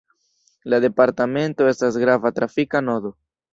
La departamento estas grava trafika nodo.